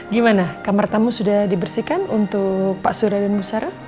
gimana kamar tamu sudah dibersihkan untuk pak surya dan bu sarah